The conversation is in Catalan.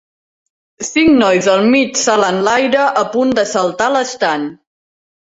Cinc nois al mig salt enlaire a punt de saltar a l'estany.